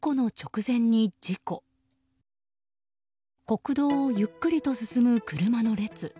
国道をゆっくり進む車の列。